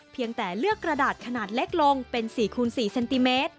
เพียงแต่เลือกกระดาษขนาดเล็กลงเป็น๔คูณ๔เซนติเมตร